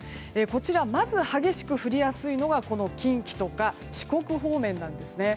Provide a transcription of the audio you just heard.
こちら、まず激しく降りやすいのが近畿とか四国方面です。